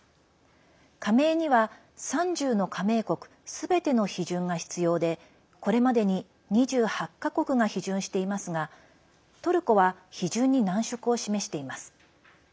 加盟には、３０の加盟国すべての批准が必要でこれまでに２８か国が批准していますがトルコは、批准に難色を示しています。